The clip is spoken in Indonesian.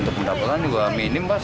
untuk mendapatkan juga minim pak